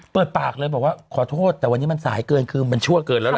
เปิดปากเลยบอกว่าขอโทษแต่วันนี้มันสายเกินคือมันชั่วเกินแล้วล่ะ